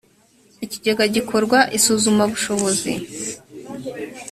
ikigega gikorerwa isuzumabushobozi